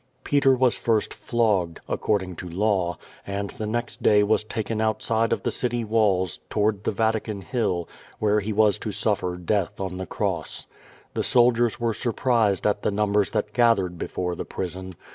Peter was first flogged, according to law, and the next day was taken outside of the city walls, toward the Vatican Hill, where he was to suffer death on the cross. The soldiers were surprised at the numbers that gathered before the prison.